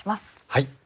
はい。